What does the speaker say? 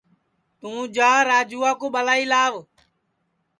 توں جا راجوا کُو ٻلائی آو